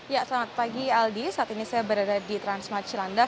ya selamat pagi aldi saat ini saya berada di transmart cilandak